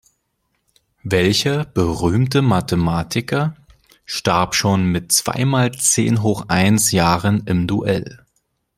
Welcher berühmte Mathematiker starb schon mit zwei mal zehn hoch eins Jahren im Duell?